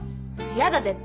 やだ絶対。